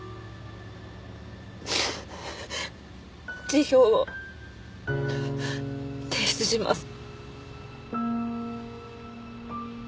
辞表を提出します。